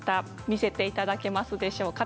見せていただけますでしょうか。